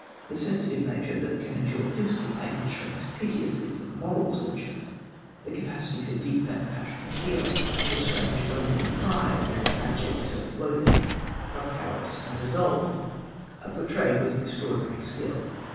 The sensitive nature that can endure physical pain but shrinks piteously from moral torture, the capacity for deep and passionate feeling, the strange blending of pride and abject self loathing, of cowardice and resolve, are portrayed with extraordinary skill.